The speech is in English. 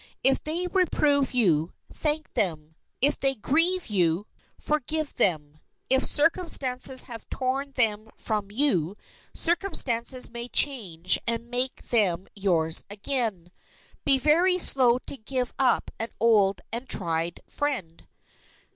If they reprove you, thank them; if they grieve you, forgive them; if circumstances have torn them from you, circumstances may change and make them yours again. Be very slow to give up an old and tried friend.